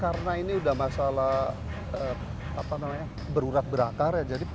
karena ini sudah masalah berurat berakar